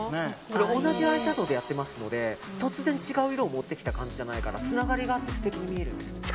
同じアイシャドーでやってますので突然、違う色を持ってきた感じじゃないからつながりがあって素敵に見えるんです。